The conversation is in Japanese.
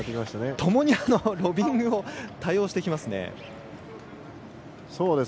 ともにロビングを多用してきます。